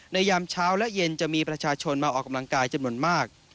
ยามเช้าและเย็นจะมีประชาชนมาออกกำลังกายจำนวนมาก